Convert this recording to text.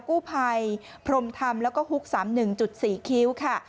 กู้ภัยพรมธรรมแล้วก็ฮุก๓๑๔คิ้วค่ะ